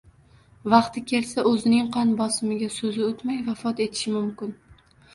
vaqti kelsa, o‘zining qon bosimiga so‘zi o‘tmay vafot etishi mumkin.